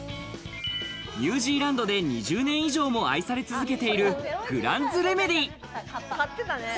ニュージーランドで２０年以上も愛され続けている、グランズレメディ。